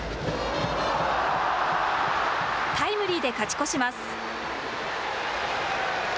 タイムリーで勝ち越します。